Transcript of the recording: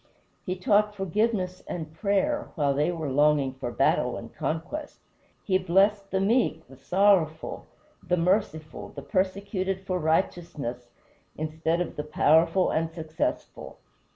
He taught forgiveness and prayer, while they were longing for battle and conquest. He blessed the meek, the sorrowful, the merciful, the persecuted for righteousness, instead of the powerful and successful.